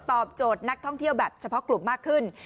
ตอบโจทย์นักท่องเที่ยวแบบเฉพาะกลุ่มมากขึ้น